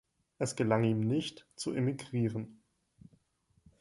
Es gelang ihm nicht, zu emigrieren.